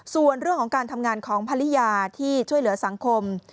ส่วนเรื่องของการทำงานของภรรยาที่ช่วยเหลือสังคม